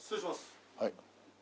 はい。